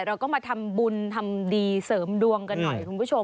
เราก็มาทำบุญทำดีเสริมดวงกันหน่อยคุณผู้ชม